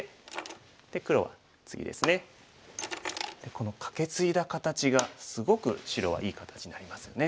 このカケツイだ形がすごく白はいい形になりますよね。